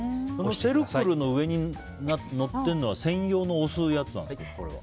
セルクルの上にのってるのは専用の押すやつなんですか？